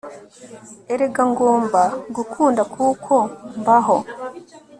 erega ngomba gukunda kuko mbaho